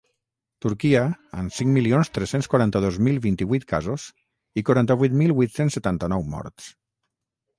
Turquia, amb cinc milions tres-cents quaranta-dos mil vint-i-vuit casos i quaranta-vuit mil vuit-cents setanta-nou morts.